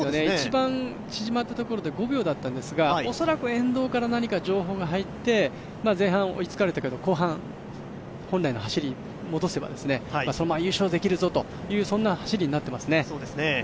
一番縮まったところで５秒だったんですが、恐らく沿道から何か情報が入って、前半追いつかれたけど、後半、本来の走りに戻せばそのまま優勝できるぞとそんな走りになっていますね。